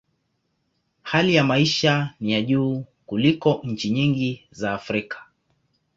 Hali ya maisha ni ya juu kuliko nchi nyingi za Afrika.